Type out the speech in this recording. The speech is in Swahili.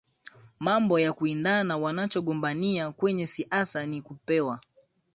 mambo ya kuwindana Wanachogombania kwenye siasa ni kupewa